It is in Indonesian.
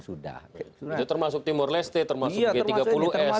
sudah itu termasuk timur leste termasuk g tiga puluh s